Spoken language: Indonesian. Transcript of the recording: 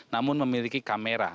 namun memiliki kamera